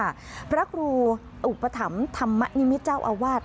พระครูอุปถัมภ์ธรรมนิมิตรเจ้าอาวาส